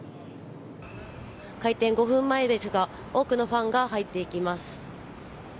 開店５分前ですが多くのファンが入っていきます。